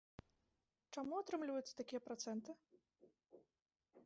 Чаму атрымліваюцца такія працэнты?